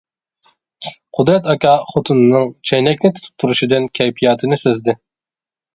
قۇدرەت ئاكا خوتۇنىنىڭ چەينەكنى تۇتۇپ تۇرۇشىدىن كەيپىياتىنى سەزدى.